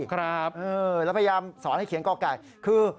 อยากสอนให้เขียนกรอกไก่